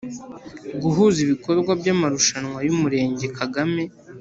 Guhuza ibikorwa by amarushanwa y umurenge kagame